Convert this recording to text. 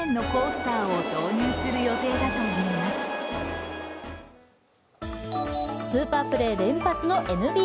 スーパープレー連発のＮＢＡ。